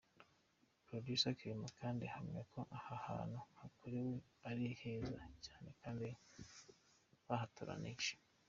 Producer Clement kandi ahamya ko aha hantu yakorewe ari heza cyane kandi bahatoranyije.